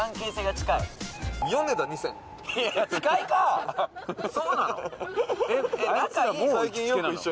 あいつらもう行きつけなの？